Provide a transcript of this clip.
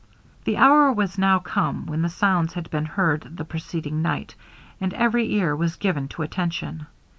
The hour was now come when the sounds had been heard the preceding night, and every ear was given to attention.